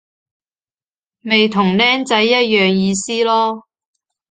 咪同僆仔一樣意思囉